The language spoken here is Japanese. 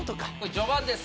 序盤です。